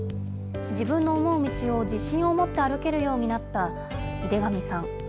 自分の思う道を自信を持って歩けるようになった井手上さん。